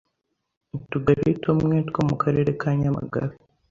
Utugari tumwe two mu karere ka Nyamagabe